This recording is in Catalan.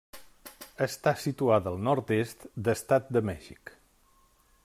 Està situada al nord-est d'Estat de Mèxic.